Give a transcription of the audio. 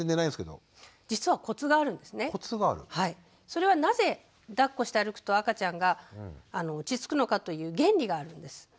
それはなぜだっこして歩くと赤ちゃんが落ち着くのかという原理があるんです。